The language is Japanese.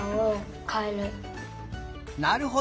なるほど！